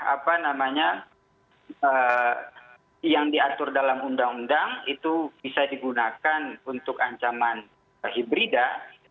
apa namanya yang diatur dalam undang undang itu bisa digunakan untuk ancaman hibrida